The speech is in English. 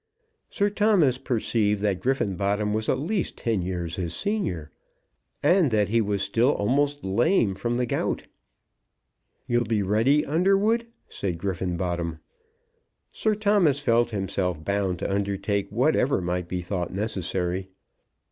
Sir Thomas perceived that Griffenbottom was at least ten years his senior, and that he was still almost lame from the gout. "You'll be ready, Underwood?" said Griffenbottom. Sir Thomas felt himself bound to undertake whatever might be thought necessary.